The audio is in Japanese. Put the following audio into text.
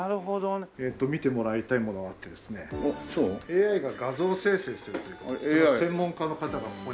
見てもらいたい物があってですねＡＩが画像生成するという専門家の方がここに。